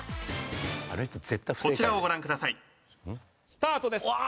「こちらをご覧ください」スタートです。